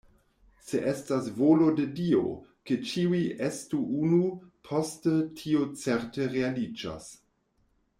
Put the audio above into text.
Se estas volo de Dio, ke ĉiuj estu unu, poste tio certe realiĝos.